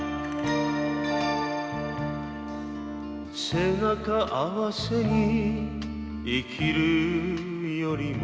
「背中合わせに生きるよりも」